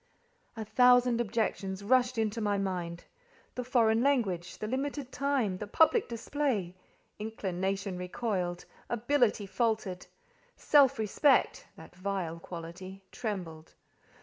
A thousand objections rushed into my mind. The foreign language, the limited time, the public display… Inclination recoiled, Ability faltered, Self respect (that "vile quality") trembled.